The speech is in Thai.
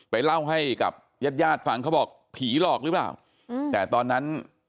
เล่าให้กับญาติญาติฟังเขาบอกผีหลอกหรือเปล่าแต่ตอนนั้น